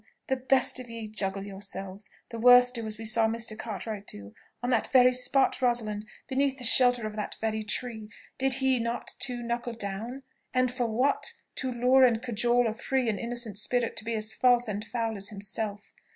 The best of ye juggle yourselves, the worst do as we saw Mr. Cartwright do; on that very spot, Rosalind, beneath the shelter of that very tree, did he not too knuckle down? and for what? to lure and cajole a free and innocent spirit to be as false and foul as himself!